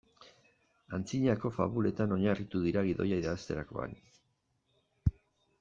Antzinako fabuletan oinarritu dira gidoia idazterakoan.